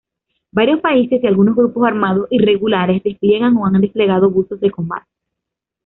Varios países y algunos grupos armados irregulares despliegan o han desplegado buzos de combate.